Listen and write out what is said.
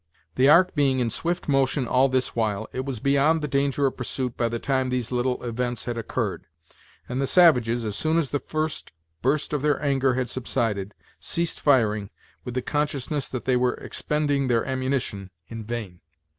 The ark being in swift motion all this while, it was beyond the danger of pursuit by the time these little events had occurred; and the savages, as soon as the first burst of their anger had subsided, ceased firing, with the consciousness that they were expending their ammunition in vain.